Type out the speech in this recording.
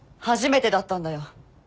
初めてだったんだよ。